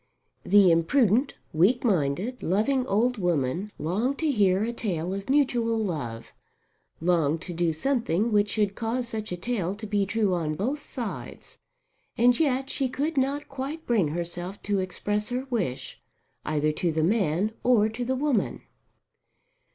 The imprudent, weak minded, loving old woman longed to hear a tale of mutual love, longed to do something which should cause such a tale to be true on both sides. And yet she could not quite bring herself to express her wish either to the man or to the woman.